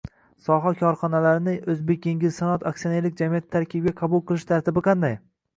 Soha korxonalarini “O’zbekengilsanoat” aksionerlik jamiyati tarkibiga qabul qilish tartibi qanday?